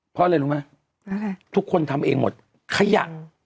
เพราะอะไรรู้ไหมทุกคนทำเองหมดขยะ